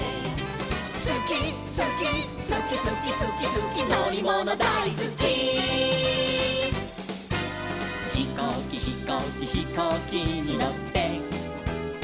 「すきすきすきすきすきすきのりものだいすき」「ひこうきひこうきひこうきにのって」